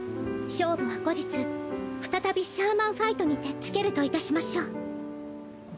勝負は後日再びシャーマンファイトにてつけるといたしましょう。